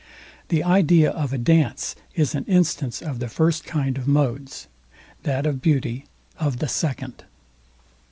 The idea of a dance is an instance of the first kind of modes; that of beauty of the second.